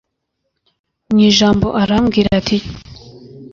mwijambo aramubwira ati